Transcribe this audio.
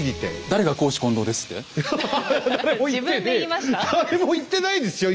誰も言ってないですよ